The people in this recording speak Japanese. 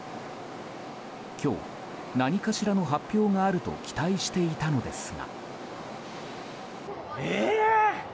今日、何かしらの発表があると期待していたのですが。